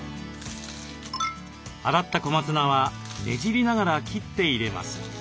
洗った小松菜はねじりながら切って入れます。